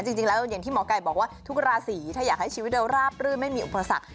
จริงแล้วอย่างที่หมอไก่บอกว่าทุกราศีถ้าอยากให้ชีวิตเราราบรื่นไม่มีอุปสรรค